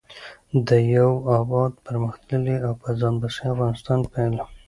د يو اباد٬پرمختللي او په ځان بسيا افغانستان په هيله